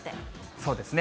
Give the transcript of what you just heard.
そうですね。